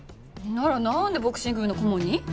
ならなんでボクシング部の顧問に？